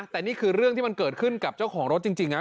แต่นี่คือเรื่องที่มันเกิดขึ้นกับเจ้าของรถจริงนะ